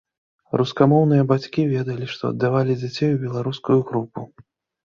Рускамоўныя бацькі ведалі, што аддавалі дзяцей у беларускую групу.